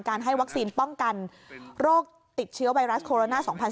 ให้วัคซีนป้องกันโรคติดเชื้อไวรัสโคโรนา๒๐๑